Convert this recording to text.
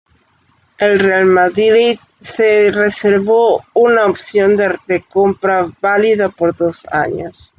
El Real Madrid se reservó una opción de recompra válida por dos años.